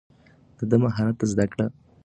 ده د مهارت زده کړه مهمه بلله.